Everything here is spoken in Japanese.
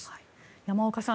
山岡さん